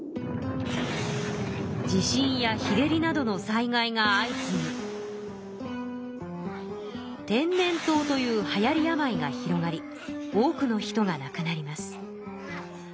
地震や日照りなどの災害が相次ぎてんねんとうというはやり病が広がり多くの人がなくなります。